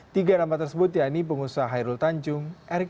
tiga nama tersebut yaitu pengusaha hairul tanjung erick